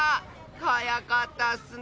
はやかったッスね！